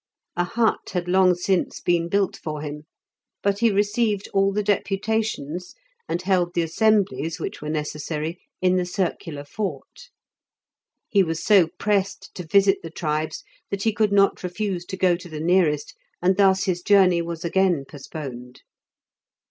A hut had long since been built for him; but he received all the deputations, and held the assemblies which were necessary, in the circular fort. He was so pressed to visit the tribes that he could not refuse to go to the nearest, and thus his journey was again postponed.